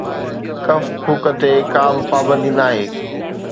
ڪف ڦوڪ تي به ڪا پابندي ناهي